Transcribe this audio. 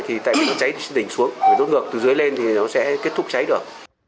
thì tại vì nó cháy thì sẽ đỉnh xuống đốt ngược từ dưới lên thì nó sẽ kết thúc cháy được